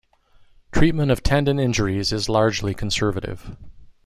Treatment of tendon injuries is largely conservative.